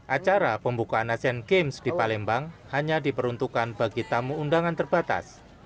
acara pembukaan asian games di palembang hanya diperuntukkan bagi tamu undangan terbatas